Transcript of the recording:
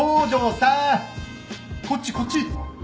こっちこっち。